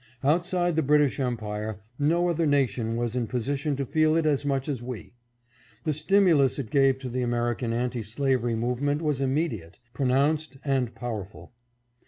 Outside the British em pire no other nation was in a position to feel it as much as we. The stimulus it gave to the American anti slavery movement was immediate, pronounced, and powerful.